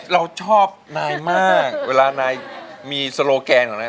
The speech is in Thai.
เราชอบนายมากเวลานายมีโซโลแกนของนาย